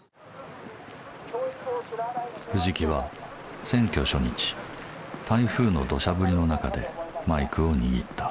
藤木は選挙初日台風のどしゃ降りの中でマイクを握った。